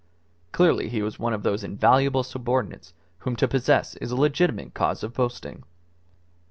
Clearly he was one of those invaluable subordinates whom to possess is a legitimate cause of boasting.